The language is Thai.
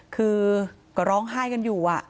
คือก็ร้องไห้กันอยู่